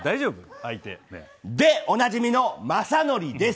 相手。でおなじみの、雅紀です。